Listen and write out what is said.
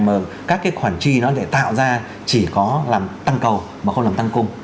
mà các cái khoản trị nó để tạo ra chỉ có làm tăng cầu mà không làm tăng cung